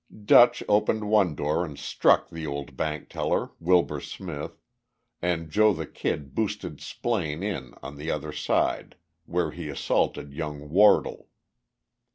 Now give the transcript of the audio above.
"Dutch" opened one door and struck the old bank teller, Wilbur Smith, and "Joe the Kid" boosted Splaine in on the other side, where he assaulted young Wardle.